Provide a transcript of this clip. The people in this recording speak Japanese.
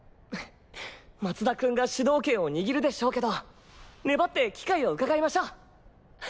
松田君が主導権を握るでしょうけど粘って機会をうかがいましょう！